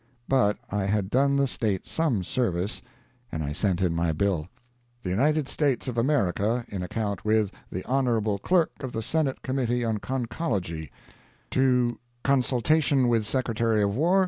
But I had done the state some service, and I sent in my bill: The United States of America in account with the Hon. Clerk of the Senate Committee on Conchology, Dr. To consultation with Secretary of War